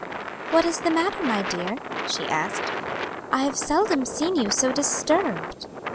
"What is the matter, my dear?" she asked; "I have seldom seen you so disturbed."